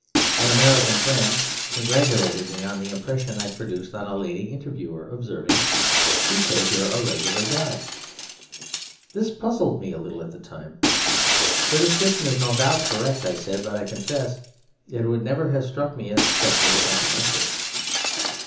An American friend congratulated me on the impression I produced on a lady interviewer, observing, 'She says you're a regular guy.' This puzzled me a little at the time. 'Her description is no doubt correct,' I said, 'but I confess that it would never have struck me as specially complimentary.'